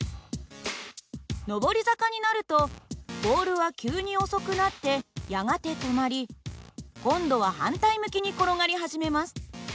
上り坂になるとボールは急に遅くなってやがて止まり今度は反対向きに転がり始めます。